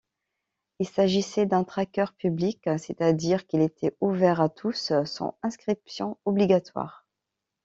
Il s'agissait d'un tracker public, c'est-à-dire qu'il était ouvert à tous sans inscription obligatoire.